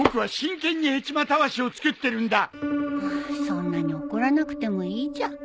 そんなに怒らなくてもいいじゃん。